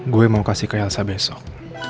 gue mau kasih ke yalsa besok